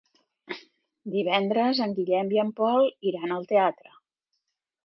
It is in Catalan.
Divendres en Guillem i en Pol iran al teatre.